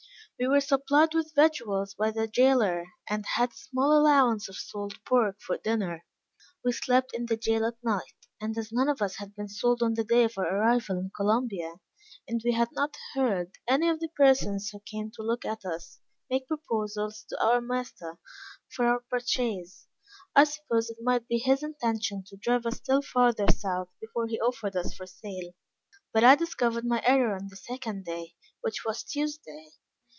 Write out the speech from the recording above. We were supplied with victuals by the jailor, and had a small allowance of salt pork for dinner. We slept in the jail at night, and as none of us had been sold on the day of our arrival in Columbia, and we had not heard any of the persons who came to look at us make proposals to our master for our purchase, I supposed it might be his intention to drive us still farther south before he offered us for sale; but I discovered my error on the second day, which was Tuesday.